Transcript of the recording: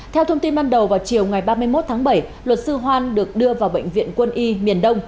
theo thông tin ban đầu vào chiều ngày ba mươi một tháng bảy luật sư hoan được đưa vào bệnh viện quân y miền đông